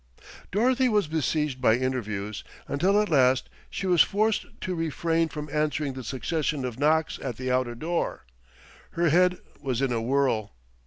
Dorothy was besieged by interviewers, until at last she was forced to refrain from answering the succession of knocks at the outer door. Her head was in a whirl.